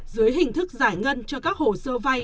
dưới hình thức giải ngân cho các hồ sơ vay